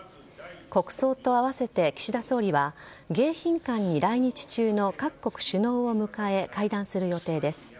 国葬とあわせて岸田総理は迎賓館に来日中の各国首脳を迎え会談する予定です。